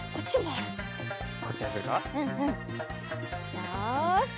よし。